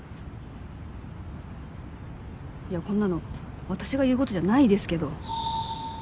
いやこんなの私が言う事じゃないですけど。